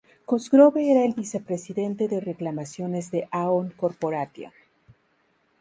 Cosgrove era el vicepresidente de reclamaciones de Aon Corporation.